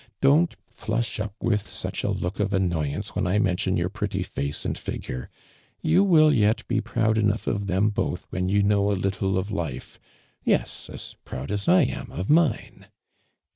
Don't flush up with such a look of annoyance when I mention your pretty face and figure. You will yet i)e proud enou"h of them both when you know a little pf life. Yes, as jn'oud a s I am of AllMAND miRAND.